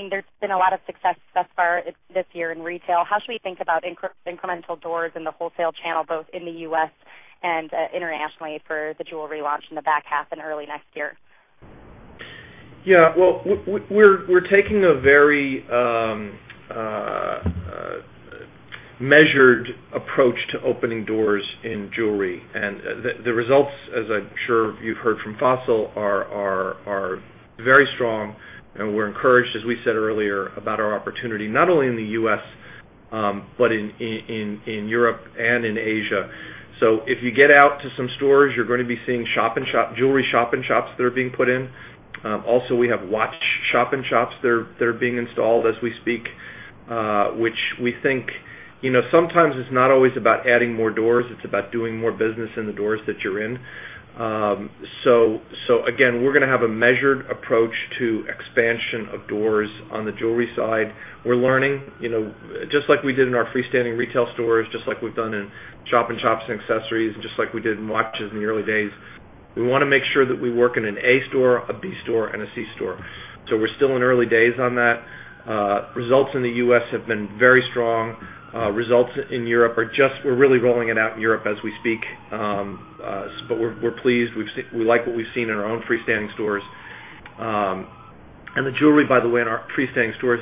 there's been a lot of success thus far this year in retail. How should we think about incremental doors in the U.S. and internationally for the jewelry launch in the back half and early next year? Yeah. Well, we're taking a very measured approach to opening doors in jewelry. The results, as I'm sure you've heard from Fossil, are very strong, and we're encouraged, as we said earlier, about our opportunity, not only in the U.S. but in Europe and in Asia. If you get out to some stores, you're going to be seeing jewelry shop in shops that are being put in. Also we have watch shop in shops that are being installed as we speak, which we think sometimes it's not always about adding more doors, it's about doing more business in the doors that you're in. Again, we're going to have a measured approach to expansion of doors on the jewelry side. We're learning just like we did in our freestanding retail stores, just like we've done in shop in shops and accessories, and just like we did in watches in the early days. We want to make sure that we work in an A store, a B store, and a C store. We're still in early days on that. Results in the U.S. have been very strong. Results in Europe, we're really rolling it out in Europe as we speak. We're pleased. We like what we've seen in our own freestanding stores. The jewelry, by the way, in our freestanding stores,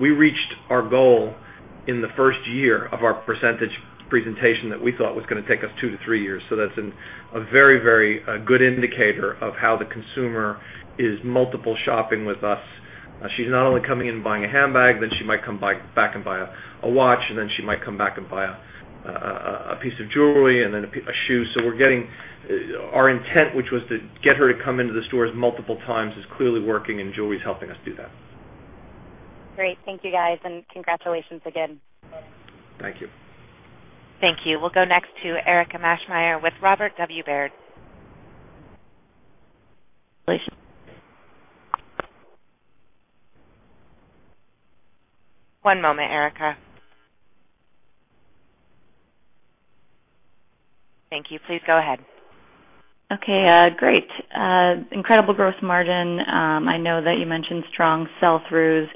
we reached our goal in the first year of our percentage presentation that we thought was going to take us two to three years. That's a very good indicator of how the consumer is multiple shopping with us. She's not only coming in and buying a handbag, then she might come back and buy a watch, and then she might come back and buy a piece of jewelry and then a shoe. Our intent, which was to get her to come into the stores multiple times, is clearly working and jewelry is helping us do that. Great. Thank you guys, and congratulations again. Thank you. Thank you. We'll go next to Erika Maschmeyer with Robert W. Baird. One moment, Erika. Thank you. Please go ahead. Okay, great. Incredible gross margin. I know that you mentioned strong sell-throughs,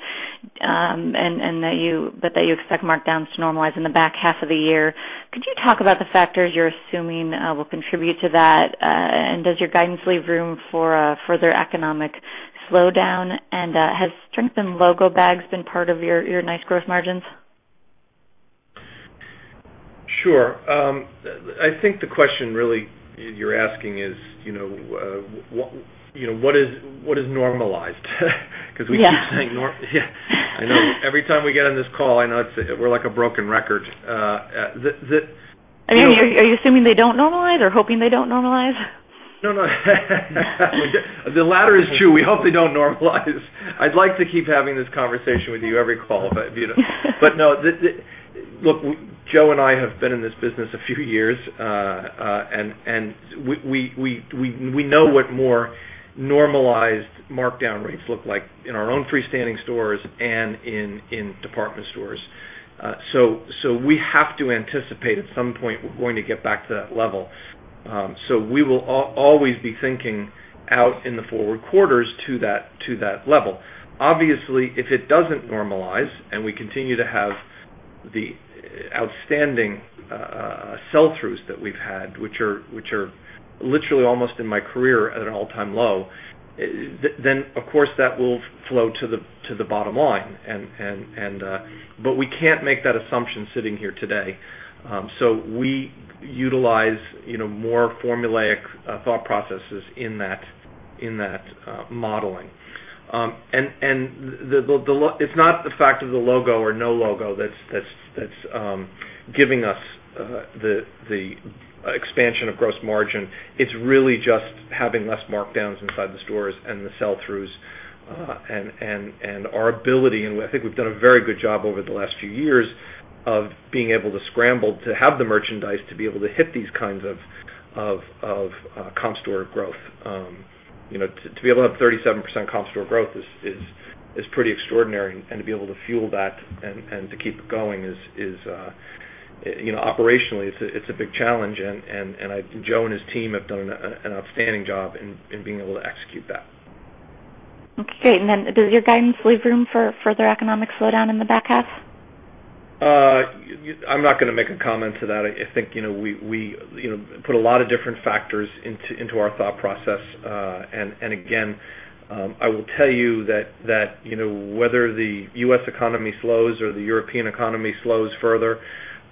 but that you expect markdowns to normalize in the back half of the year. Could you talk about the factors you're assuming will contribute to that? Does your guidance leave room for a further economic slowdown? Has strength in logo bags been part of your nice gross margins? Sure. I think the question really you're asking is what is normalized? Because we keep saying. Yeah, I know. Every time we get on this call, I know we're like a broken record. Are you assuming they don't normalize or hoping they don't normalize? No. The latter is true. We hope they don't normalize. I'd like to keep having this conversation with you every call. No. Look, Joe and I have been in this business a few years, we know what more normalized markdown rates look like in our own freestanding stores and in department stores. We have to anticipate at some point we're going to get back to that level. We will always be thinking out in the forward quarters to that level. Obviously, if it doesn't normalize and we continue to have the outstanding sell-throughs that we've had, which are literally almost in my career at an all-time low, of course, that will flow to the bottom line. We can't make that assumption sitting here today. We utilize more formulaic thought processes in that modeling. It's not the fact of the logo or no logo that's giving us the expansion of gross margin. It's really just having less markdowns inside the stores and the sell-throughs, and our ability, I think we've done a very good job over the last few years of being able to scramble to have the merchandise to be able to hit these kinds of comp store growth. To be able to have 37% comp store growth is pretty extraordinary. To be able to fuel that and to keep it going operationally, it's a big challenge. Joe and his team have done an outstanding job in being able to execute that. Okay. Does your guidance leave room for further economic slowdown in the back half? I'm not going to make a comment to that. I think we put a lot of different factors into our thought process. I will tell you that whether the U.S. economy slows or the European economy slows further,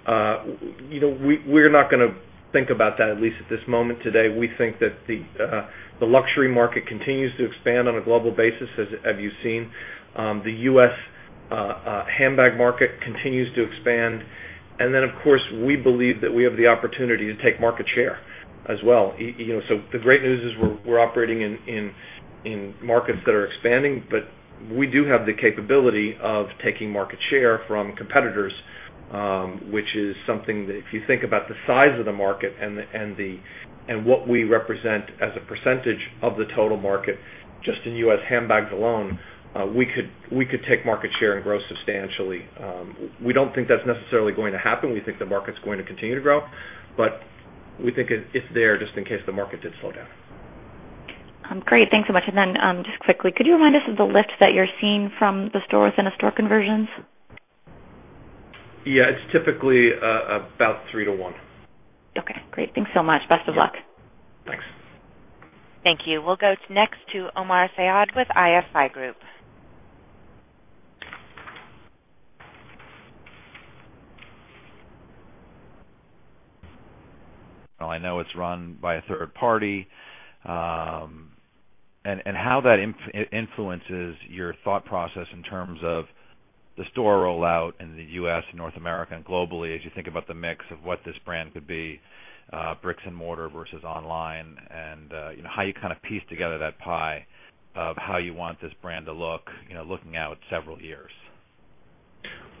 we're not going to think about that, at least at this moment today. We think that the luxury market continues to expand on a global basis, as you've seen. The U.S. handbag market continues to expand. Of course, we believe that we have the opportunity to take market share as well. The great news is we're operating in markets that are expanding, but we do have the capability of taking market share from competitors, which is something that if you think about the size of the market and what we represent as a percentage of the total market, just in U.S. handbags alone, we could take market share and grow substantially. We don't think that's necessarily going to happen. We think the market's going to continue to grow, but we think it's there just in case the market did slow down. Great. Thanks so much. Just quickly, could you remind us of the lift that you're seeing from the stores and the store conversions? Yeah, it's typically about three to one. Okay, great. Thanks so much. Best of luck. Thanks. Thank you. We'll go next to Omar Saad with ISI Group. Well, I know it's run by a third party. How that influences your thought process in terms of the store rollout in the U.S., North America, and globally, as you think about the mix of what this brand could be, bricks and mortar versus online, and how you kind of piece together that pie of how you want this brand to look, looking out several years.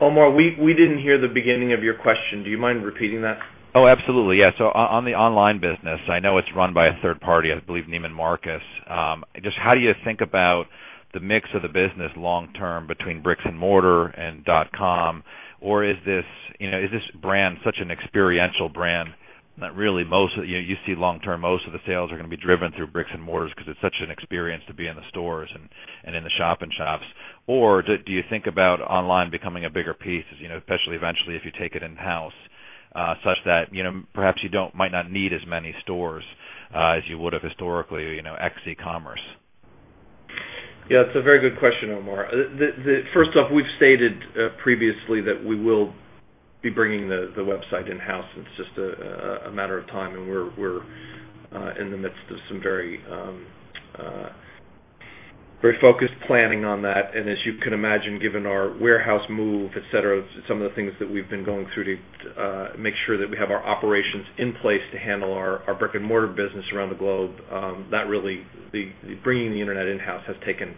Omar, we didn't hear the beginning of your question. Do you mind repeating that? Absolutely, yeah. On the online business, I know it's run by a third party, I believe Neiman Marcus. Just how do you think about the mix of the business long term between bricks and mortar and dotcom? Or is this brand such an experiential brand that really you see long term, most of the sales are going to be driven through bricks and mortars because it's such an experience to be in the stores and in the shop-in-shops? Or do you think about online becoming a bigger piece, especially eventually if you take it in-house such that perhaps you might not need as many stores as you would have historically ex e-commerce? Yeah, it's a very good question, Omar. First off, we've stated previously that we will be bringing the website in-house. It's just a matter of time, and we're in the midst of some very focused planning on that. As you can imagine, given our warehouse move, et cetera, some of the things that we've been going through to make sure that we have our operations in place to handle our brick and mortar business around the globe. That really, bringing the internet in-house has taken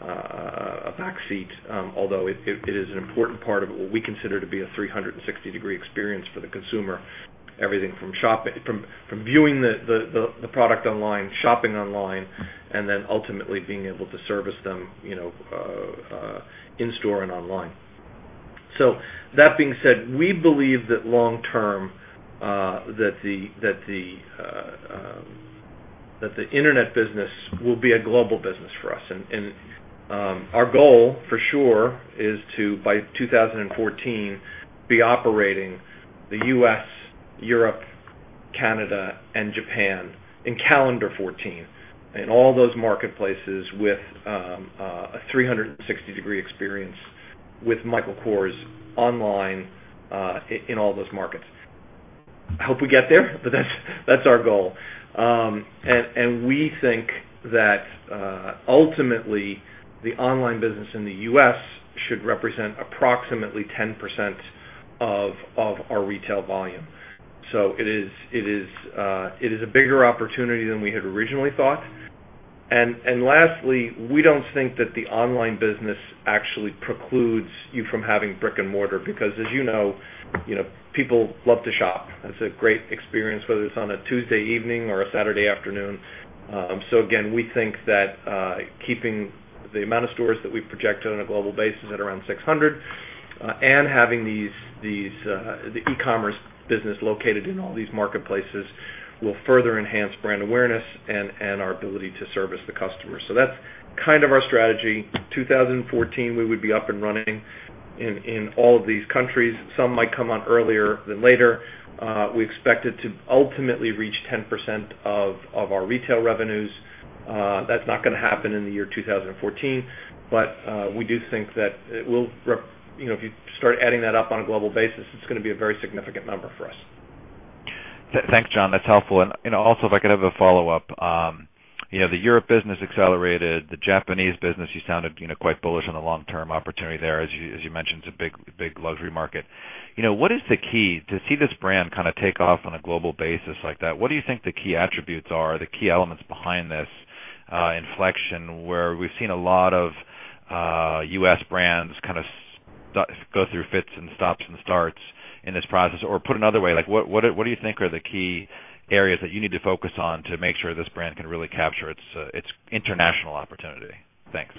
a back seat. Although it is an important part of what we consider to be a 360-degree experience for the consumer. Everything from viewing the product online, shopping online, and then ultimately being able to service them in store and online. That being said, we believe that long term, that the internet business will be a global business for us. Our goal for sure is to, by 2014, be operating the U.S., Europe, Canada, and Japan in calendar 2014 in all those marketplaces with a 360-degree experience with Michael Kors online in all those markets. I hope we get there, that's our goal. We think that ultimately the online business in the U.S. should represent approximately 10% of our retail volume. It is a bigger opportunity than we had originally thought. Lastly, we don't think that the online business actually precludes you from having brick and mortar because as you know, people love to shop. It's a great experience, whether it's on a Tuesday evening or a Saturday afternoon. Again, we think that keeping the amount of stores that we project on a global basis at around 600. Having the e-commerce business located in all these marketplaces will further enhance brand awareness and our ability to service the customer. That's kind of our strategy. 2014, we would be up and running in all of these countries. Some might come on earlier than later. We expect it to ultimately reach 10% of our retail revenues. That's not going to happen in the year 2014. We do think that if you start adding that up on a global basis, it's going to be a very significant number for us. Thanks, John. That's helpful. Also, if I could have a follow-up. The Europe business accelerated. The Japanese business, you sounded quite bullish on the long-term opportunity there, as you mentioned, it's a big luxury market. What is the key to see this brand take off on a global basis like that? What do you think the key attributes are, the key elements behind this inflection, where we've seen a lot of U.S. brands kind of go through fits and stops and starts in this process? Or put another way, what do you think are the key areas that you need to focus on to make sure this brand can really capture its international opportunity? Thanks.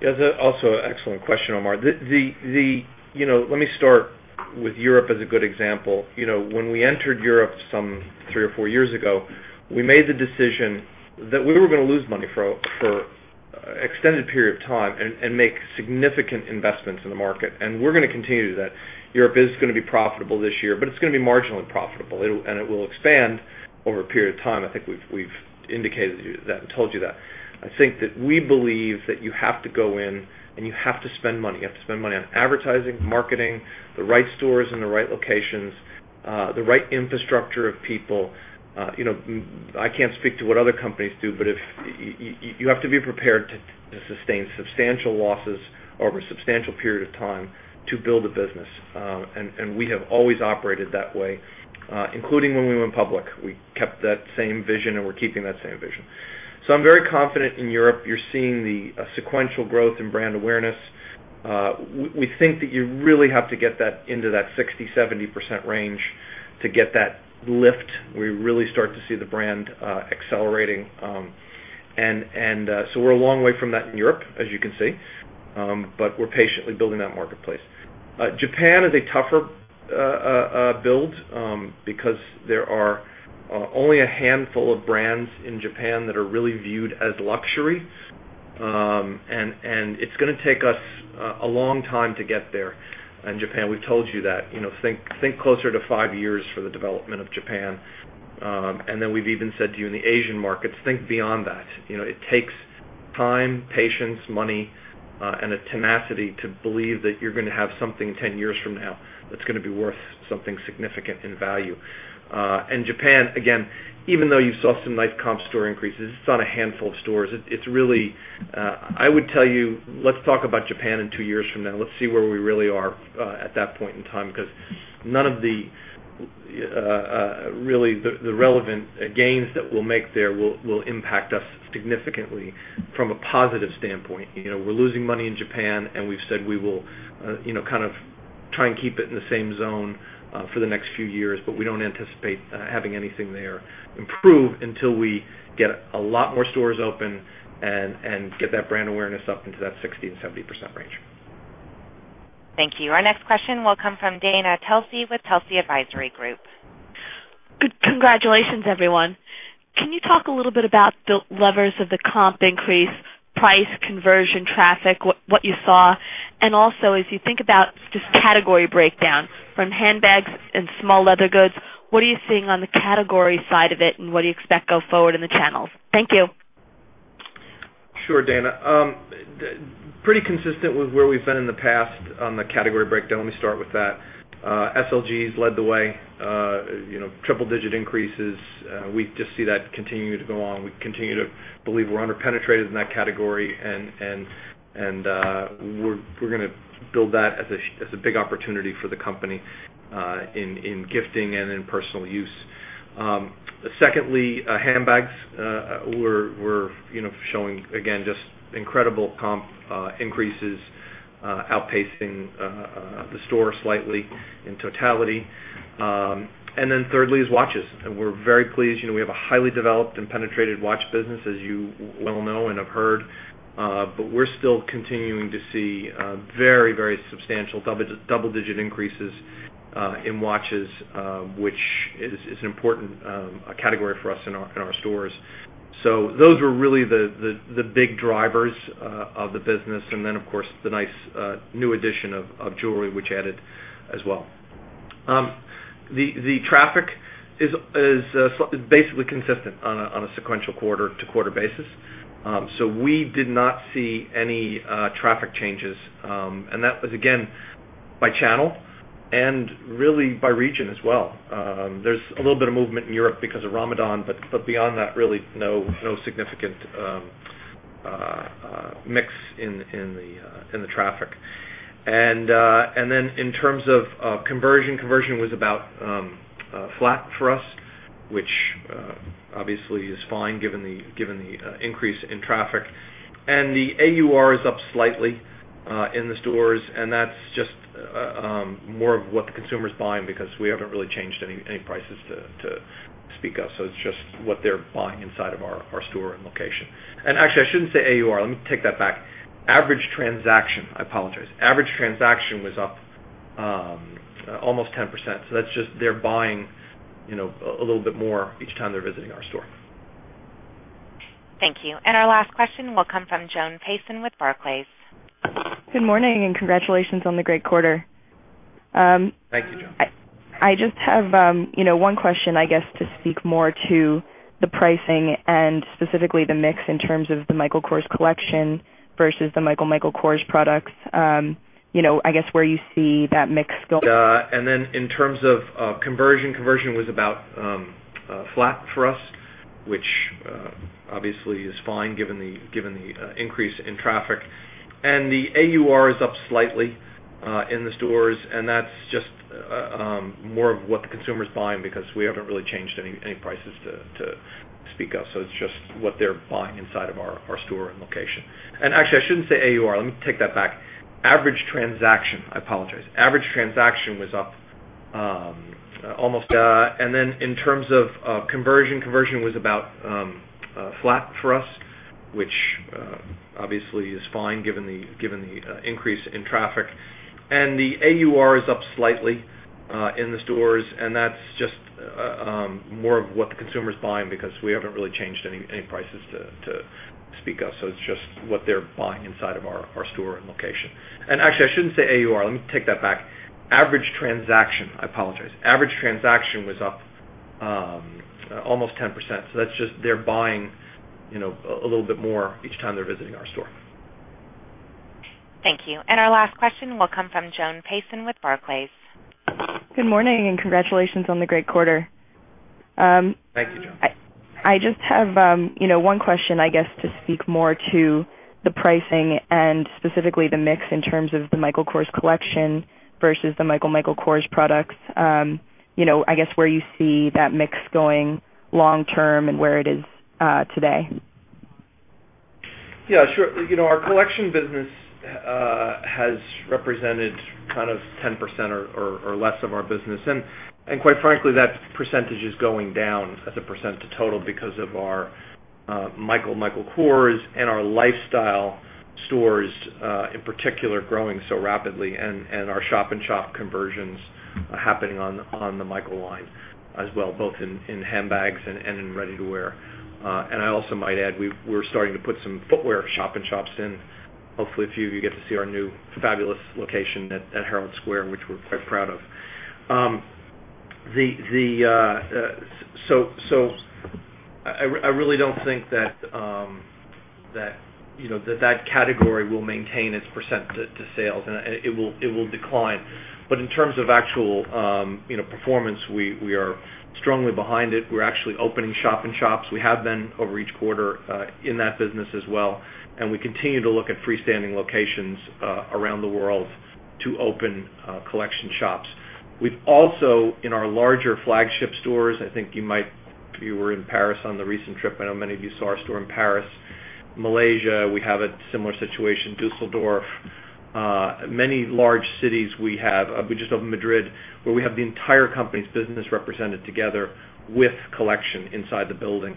Yeah. That's also an excellent question, Omar. Let me start with Europe as a good example. When we entered Europe some three or four years ago, we made the decision that we were going to lose money for extended period of time and make significant investments in the market, and we're going to continue to do that. Europe is going to be profitable this year, but it's going to be marginally profitable, and it will expand over a period of time. I think we've indicated that and told you that. I think that we believe that you have to go in and you have to spend money. You have to spend money on advertising, marketing, the right stores in the right locations, the right infrastructure of people. I can't speak to what other companies do, but you have to be prepared to sustain substantial losses over a substantial period of time to build a business. We have always operated that way, including when we went public. We kept that same vision, and we're keeping that same vision. I'm very confident in Europe. You're seeing the sequential growth in brand awareness. We think that you really have to get that into that 60%, 70% range to get that lift, where you really start to see the brand accelerating. We're a long way from that in Europe, as you can see. We're patiently building that marketplace. Japan is a tougher build, because there are only a handful of brands in Japan that are really viewed as luxury. It's going to take us a long time to get there in Japan, we've told you that. Think closer to five years for the development of Japan. We've even said to you in the Asian markets, think beyond that. It takes time, patience, money, and a tenacity to believe that you're going to have something 10 years from now that's going to be worth something significant in value. Japan, again, even though you saw some nice comp store increases, it's on a handful of stores. I would tell you, let's talk about Japan in two years from now. Let's see where we really are at that point in time, because none of the relevant gains that we'll make there will impact us significantly from a positive standpoint. We're losing money in Japan, and we've said we will try and keep it in the same zone for the next few years, but we don't anticipate having anything there improve until we get a lot more stores open and get that brand awareness up into that 60% and 70% range. Thank you. Our next question will come from Dana Telsey with Telsey Advisory Group. Congratulations, everyone. Can you talk a little bit about the levers of the comp increase, price, conversion, traffic, what you saw? Also, as you think about just category breakdown from handbags and small leather goods, what are you seeing on the category side of it, and what do you expect go forward in the channels? Thank you. Sure, Dana. Pretty consistent with where we've been in the past on the category breakdown, let me start with that. SLGs led the way. Triple-digit increases. We just see that continuing to go on. We continue to believe we're under-penetrated in that category, and we're going to build that as a big opportunity for the company in gifting and in personal use. Secondly, handbags. We're showing, again, just incredible comp increases, outpacing the store slightly in totality. Thirdly is watches, and we're very pleased. We have a highly developed and penetrated watch business, as you well know and have heard. We're still continuing to see very substantial double-digit increases in watches, which is an important category for us in our stores. Those were really the big drivers of the business. Of course, the nice new addition of jewelry, which added as well. The traffic is basically consistent on a sequential quarter-to-quarter basis. We did not see any traffic changes. That was, again, by channel and really by region as well. There's a little bit of movement in Europe because of Ramadan, beyond that, really no significant mix in the traffic. In terms of conversion was about flat for us, which obviously is fine given the increase in traffic. The AUR is up slightly in the stores, and that's just more of what the consumer's buying because we haven't really changed any prices to speak of. It's just what they're buying inside of our store and location. Actually, I shouldn't say AUR. Let me take that back. Average transaction, I apologize. Average transaction was up almost 10%. That's just they're buying a little bit more each time they're visiting our store. Thank you. Our last question will come from Joan Payson with Barclays. Good morning. Congratulations on the great quarter. Thank you, Joan. I just have one question, I guess, to speak more to the pricing and specifically the mix in terms of the Michael Kors Collection versus the MICHAEL Michael Kors products. I guess where you see that mix going? Then in terms of conversion was about flat for us, which obviously is fine given the increase in traffic. The AUR is up slightly in the stores, and that's just more of what the consumer is buying because we haven't really changed any prices to speak of. It's just what they're buying inside of our store and location. Actually, I shouldn't say AUR. Let me take that back. Average transaction, I apologize. Average transaction was up almost-- Then in terms of conversion was about flat for us, which obviously is fine given the increase in traffic. The AUR is up slightly in the stores, and that's just more of what the consumer is buying because we haven't really changed any prices to speak of. It's just what they're buying inside of our store and location. Actually, I shouldn't say AUR. Let me take that back. Average transaction, I apologize. Average transaction was up almost 10%. That's just they're buying a little bit more each time they're visiting our store. Thank you. Our last question will come from Joan Payson with Barclays. Good morning. Congratulations on the great quarter. Thank you, Joan. I just have one question, I guess, to speak more to the pricing and specifically the mix in terms of the Michael Kors Collection versus the MICHAEL Michael Kors products. I guess where you see that mix going long term and where it is today. Yeah, sure. Our collection business has represented 10% or less of our business. Quite frankly, that percentage is going down as a percent of total because of our MICHAEL Michael Kors and our lifestyle stores, in particular, growing so rapidly and our shop-in-shop conversions happening on the Michael line as well, both in handbags and in ready-to-wear. I also might add, we're starting to put some footwear shop-in-shops in. Hopefully, a few of you get to see our new fabulous location at Herald Square, which we're quite proud of. I really don't think that that category will maintain its percent to sales, and it will decline. In terms of actual performance, we are strongly behind it. We're actually opening shop-in-shops. We have been over each quarter in that business as well, and we continue to look at freestanding locations around the world to open collection shops. We've also, in our larger flagship stores, I think you might, if you were in Paris on the recent trip, I know many of you saw our store in Paris. Malaysia, we have a similar situation, Dusseldorf. Many large cities we have. We just opened Madrid, where we have the entire company's business represented together with collection inside the building.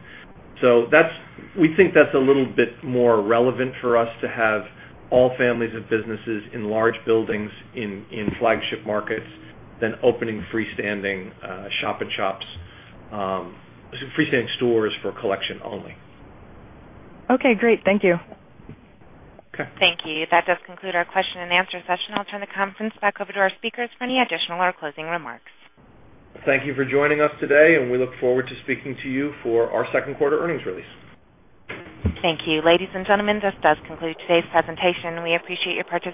We think that's a little bit more relevant for us to have all families of businesses in large buildings in flagship markets than opening freestanding shop-in-shops, freestanding stores for collection only. Okay, great. Thank you. Okay. Thank you. That does conclude our question and answer session. I'll turn the conference back over to our speakers for any additional or closing remarks. Thank you for joining us today, and we look forward to speaking to you for our second quarter earnings release. Thank you. Ladies and gentlemen, this does conclude today's presentation. We appreciate your partic-